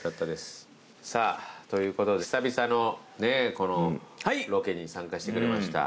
さぁということで久々のねこのロケに参加してくれました。